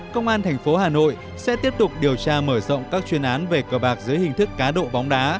công an thành phố hà nội sẽ tiếp tục điều tra mở rộng các chuyên án về cờ bạc dưới hình thức cá độ bóng đá